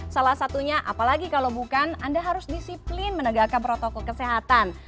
salah satunya apalagi kalau bukan anda harus disiplin menegakkan protokol kesehatan